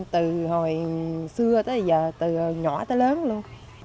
từ hồi xưa tới giờ từ nhỏ tới lớn luôn